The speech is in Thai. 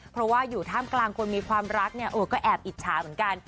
เพราะว่าอยู่ท่ามกลางคนมีความรักเนี่ยก็แอบอิจฉาเหมือนกัน